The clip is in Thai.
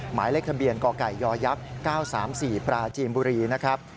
หมายเลขทะเบียนกไก่ย๙๓๔ปราจีนบุรีนะครับ